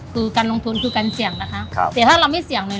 ตำรวจทำไมจับทำไมครับ